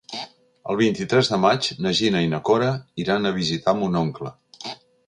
El vint-i-tres de maig na Gina i na Cora iran a visitar mon oncle.